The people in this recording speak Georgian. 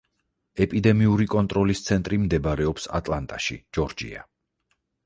ეპიდემიური კონტროლის ცენტრი მდებარეობს ატლანტაში, ჯორჯია.